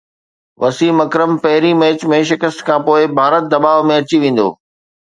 وسيم اڪرم پهرين ميچ ۾ شڪست کانپوءِ ڀارت دٻاءُ ۾ اچي ويندو